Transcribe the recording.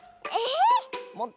えっ？